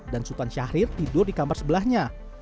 dan sultan syahrir tidur di kamar sebelahnya